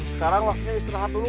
sekarang waktunya istirahat dulu